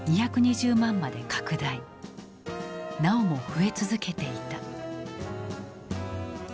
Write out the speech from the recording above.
なおも増え続けていた。